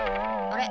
あれ？